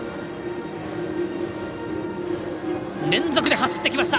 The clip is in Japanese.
連続で走ってきました。